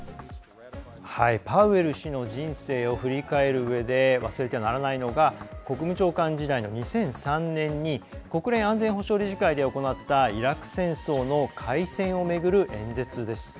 パウエル氏の人生を振り返るうえで忘れてはならないのが国務長官時代の２００３年に国連安全保障理事会で行ったイラク戦争の開戦を巡る演説です。